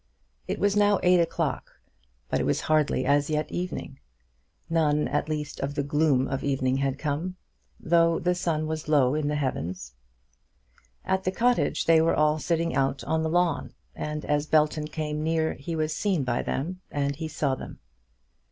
It was now eight o'clock, but it was hardly as yet evening; none at least of the gloom of evening had come, though the sun was low in the heavens. At the cottage they were all sitting out on the lawn; and as Belton came near he was seen by them, and he saw them.